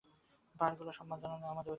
পাহাড়গুলোকে সন্মান জানানো আমাদের ঐতিহ্য।